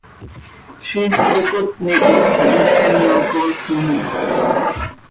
Ziix cöcocotni quih hanteeno coosnan iha.